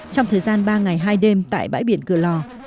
trong thời gian ba ngày hai đêm tại bãi biển cửa lò